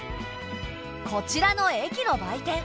こちらの駅の売店。